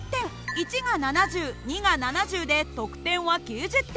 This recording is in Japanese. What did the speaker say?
１が７０２が７０で得点は９０点。